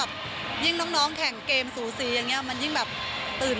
ยิ่งน้องแข่งเกมสูสีอย่างนี้มันยิ่งแบบตื่น